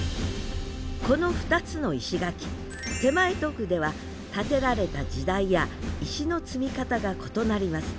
この２つの石垣手前と奥では建てられた時代や石の積み方が異なります。